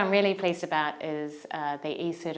quan hệ tương tự kết nối kế hoạch